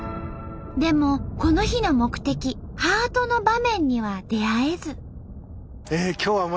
でもこの日の目的ハートの場面には出会えず。